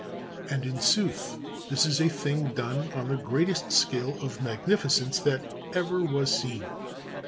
And in sooth this is a thing done on the greatest scale of magnificence that ever was seen.